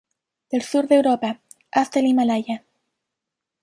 Del sur de Europa hasta el Himalaya.